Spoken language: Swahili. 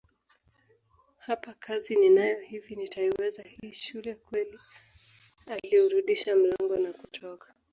Hapa kazi ninayo hivi nitaiweza hii shule kweli Aliurudisha mlango na kutoka